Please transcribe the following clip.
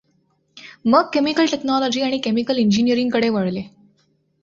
मग chemical technology आणि chemical इंजिनिअर्रिंगकडे वळले.